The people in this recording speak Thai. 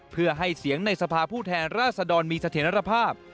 เพื่อให้เสียงในสภาผู้แทนราษฎรมีเสถียรภาพ